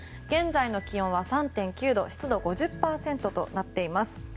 現在の気温は３．９度湿度５０％となっています。